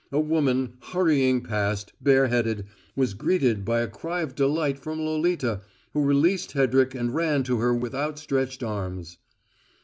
A woman, hurrying past, bareheaded, was greeted by a cry of delight from Lolita, who released Hedrick and ran to her with outstretched arms.